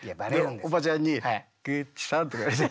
おばちゃんに「グッチさん」とか言われて。